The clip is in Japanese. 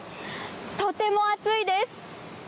とても暑いです。